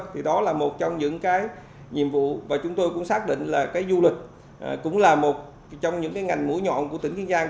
thì đó là một trong những cái nhiệm vụ và chúng tôi cũng xác định là cái du lịch cũng là một trong những cái ngành mũi nhọn của tỉnh kiên giang